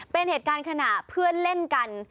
เป็นเหตุการณ์ขณะเพื่อนเล่นกัน